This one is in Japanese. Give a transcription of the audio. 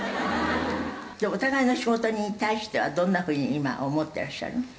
「お互いの仕事に対してはどんな風に今思ってらっしゃるの？」